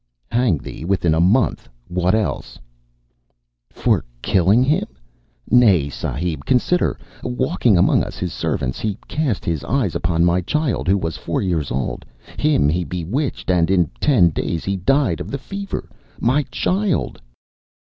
"Hang thee within a month! What else?" "For killing him? Nay, sahib, consider. Walking among us, his servants, he cast his eyes upon my child, who was four years old. Him he bewitched, and in ten days he died of the fever. My child!"